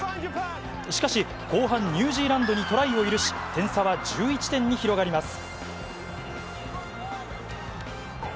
しかし、後半、ニュージーランドにトライを許し、点差は１１点に広がります。